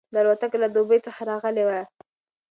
دا الوتکه له دوبۍ څخه راغلې وه.